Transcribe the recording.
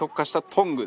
トング？